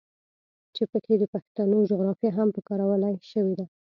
چې پکښې د پښتنو جغرافيه هم پکارولے شوې ده.